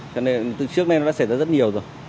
cho nên từ trước nay nó xảy ra rất nhiều rồi